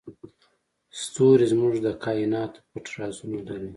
ستوري زموږ د کایناتو پټ رازونه لري.